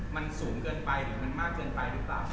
มันสูงเกินไปหรือมันมากเกินไปหรือเปล่า